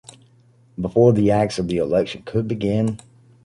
Before the acts of the election could begin